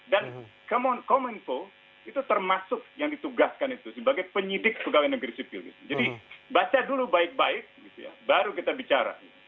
dan common foe itu termasuk yang ditugaskan itu sebagai penyidik pegawai negeri sipil jadi baca dulu baik baik baru kita bicara